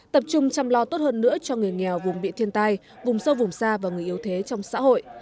tập trung chăm lo tốt hơn nữa cho người nghèo vùng bị thiên tai vùng sâu vùng xa và người yếu thế trong xã hội